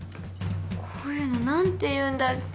こういうの何て言うんだっけ？